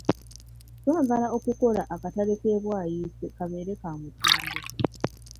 Twagala okukola akatale k’e Bwaise kabeere ka mutindo.